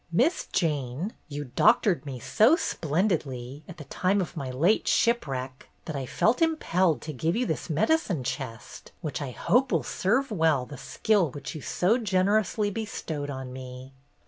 ''Miss Jane, you doctored me so splendidly, at the time of my late shipwreck, that I felt impelled to give you this medicine chest, which I hope will serve well the skill which you so generously bestowed on me."